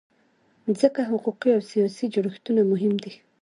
ځکه حقوقي او سیاسي جوړښتونه مهم دي.